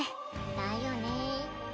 だよね。